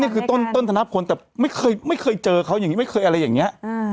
คือต้นธนพลแต่ไม่เคยเจอเขาอย่างนี้ไม่เคยอะไรอย่างนี้